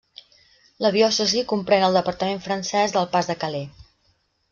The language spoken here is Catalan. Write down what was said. La diòcesi comprèn el departament francès del Pas de Calais.